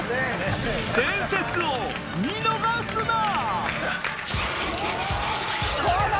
伝説を見逃すな！